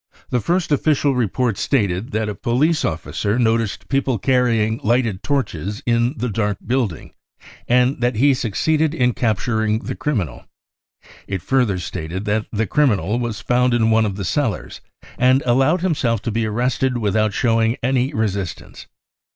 The first official report stated that a policy officer noticed people carrying lighted torches in the dark building, and that he succeeded 1 ip capturing the criminal ; it further stated that the criminal was found m one of the cellars and allowed himself to be arrested without showing any resistance.